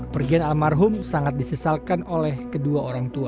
pergian almarhum sangat disesalkan oleh kedua orang tua